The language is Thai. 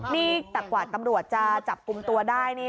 นี่แต่กว่าตำรวจจะจับกลุ่มตัวได้นี่